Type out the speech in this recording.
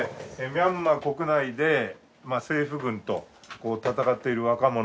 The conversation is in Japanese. ミャンマー国内で政府軍と闘っている若者